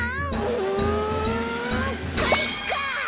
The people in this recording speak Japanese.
うんかいか！